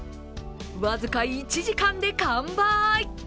僅か１時間で完売。